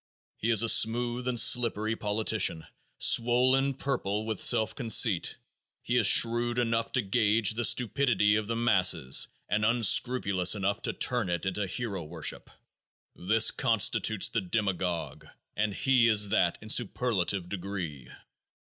He is a smooth and slippery politician, swollen purple with self conceit; he is shrewd enough to gauge the stupidity of the masses and unscrupulous enough to turn it into hero worship. This constitutes the demagogue, and he is that in superlative degree.